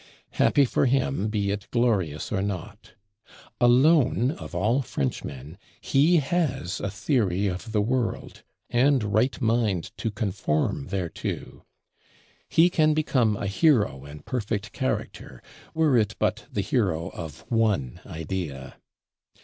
Happy for him, be it glorious or not! Alone of all Frenchmen he has a theory of the world, and right mind to conform thereto; he can become a hero and perfect character, were it but the hero of one idea.